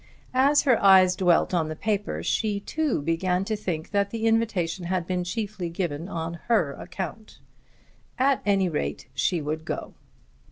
As her eyes dwelt on the paper she, too, began to think that the invitation had been chiefly given on her account. At any rate she would go.